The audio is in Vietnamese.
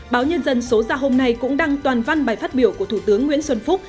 báo nhân dân số ra hôm nay cũng đăng toàn văn bài phát biểu của thủ tướng nguyễn xuân phúc